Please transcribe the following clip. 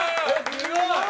すごい！